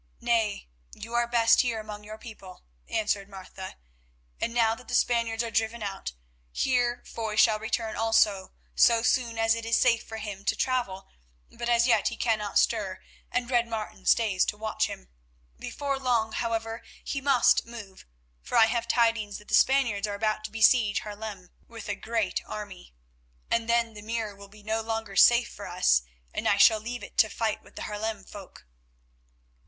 "Nay, you are best here among your people," answered Martha. "And now that the Spaniards are driven out, here Foy shall return also so soon as it is safe for him to travel; but as yet he cannot stir, and Red Martin stays to watch him. Before long, however, he must move, for I have tidings that the Spaniards are about to besiege Haarlem with a great army, and then the Mere will be no longer safe for us, and I shall leave it to fight with the Haarlem folk."